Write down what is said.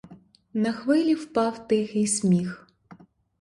На хвилі впав тихий сміх.